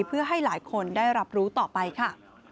เพื่อให้หลายคนได้รับรู้ต่อไปค่ะ